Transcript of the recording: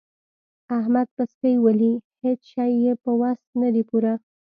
احمد پسکۍ ولي؛ هيڅ شی يې په وس نه دی پوره.